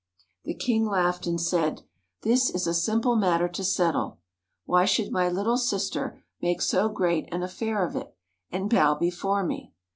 The King laughed, and said, "This is a simple matter to settle; why should my little sister make so great an affair of it, and bow before me?